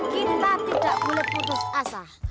kita tidak boleh putus asa